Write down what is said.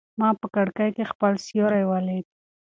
ما په کړکۍ کې خپل سیوری ولید.